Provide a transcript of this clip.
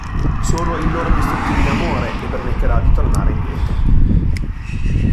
Solo il loro indistruttibile amore le permetterà di tornare indietro.